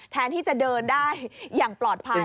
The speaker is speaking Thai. แทนที่จะเดินได้อย่างปลอดภัย